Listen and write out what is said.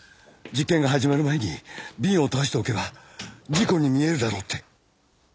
実験が始まる前に瓶を倒しておけば事故に見えるだろうって。